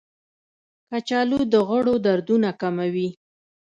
کچالو د غړو دردونه کموي.